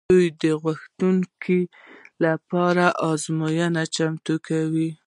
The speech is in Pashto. دوی د غوښتونکو لپاره ازموینه چمتو کوي.